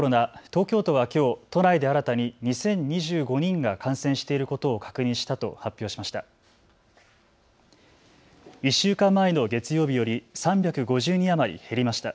東京都はきょう都内で新たに２０２５人が感染していることを確認したと発表しました。